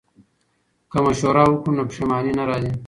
که مشوره وکړو نو پښیماني نه راځي.